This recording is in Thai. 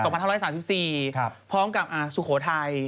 พร้อมกับสุโขทัย